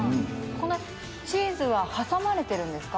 チーズは挟まれてるんですか？